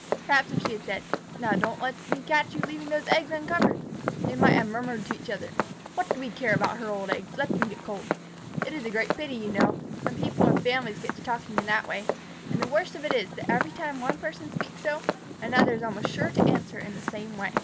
Perhaps if she had said, "Now, don't you let me catch you leaving those eggs uncovered!" they might have murmured to each other, "What do we care about her old eggs? Let them get cold!" It is a great pity, you know, when people in families get to talking in that way. And the worst of it is that every time one person speaks so, another is almost sure to answer in the same way.